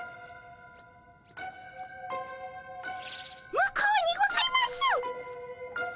向こうにございます。